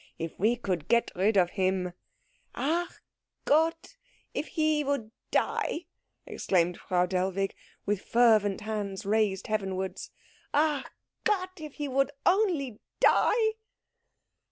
If we could get rid of him " "Ach Gott, if he would die!" exclaimed Frau Dellwig, with fervent hands raised heavenwards. "Ach Gott, if he would only die!"